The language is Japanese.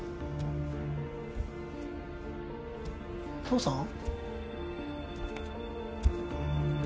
父さん？